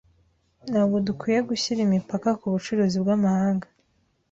Ntabwo dukwiye gushyira imipaka kubucuruzi bwamahanga.